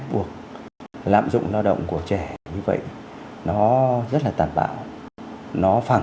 vâng lời đầu tiên xin cảm ơn